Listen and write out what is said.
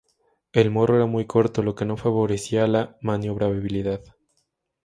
El morro era muy corto, lo que no favorecía la maniobrabilidad.